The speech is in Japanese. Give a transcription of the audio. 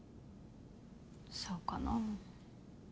そうかな。